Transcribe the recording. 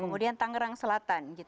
kemudian tangerang selatan